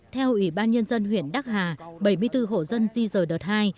theo ủy ban nhân dân huyện đắc hà bảy mươi bốn hộ dân di rời đợt hai